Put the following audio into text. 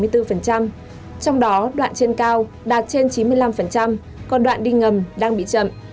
trong đó đoạn trên cao đạt trên chín mươi năm còn đoạn đi ngầm đang bị chậm